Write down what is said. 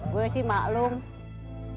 tapi kalau boleh nih gue saranin ya